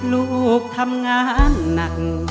ลูกทำงานหนัก